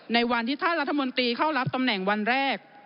ในวันที่ท่านรัฐมนตรีเข้ารับตำแหน่งวันแรก